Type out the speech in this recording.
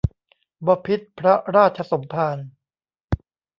บพิตรพระราชสมภาร